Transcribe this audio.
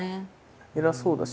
偉そうだし。